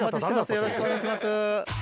よろしくお願いします。